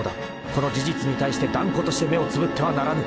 ［この事実に対して断固として目をつぶってはならぬ！］